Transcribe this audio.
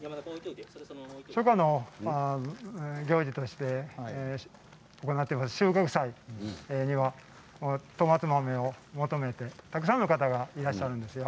初夏の行事として行っている収穫祭には富松豆を求めて、たくさんの方がいらっしゃるんですよ。